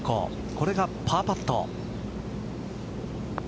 これがパーパット。